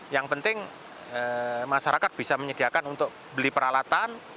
yang penting masyarakat bisa menyediakan untuk beli peralatan